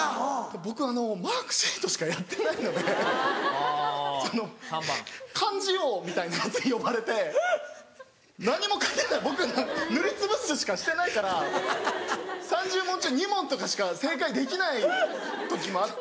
僕マークシートしかやってないのでその漢字王みたいなやつに呼ばれて何も書けない僕塗りつぶすしかしてないから３０問中２問とかしか正解できない時もあって。